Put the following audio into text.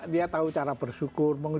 dia tahu cara bersyukur